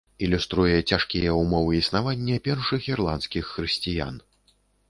Ілюструе цяжкія ўмовы існавання першых ірландскіх хрысціян.